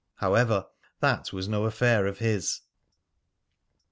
However, that was no affair of his.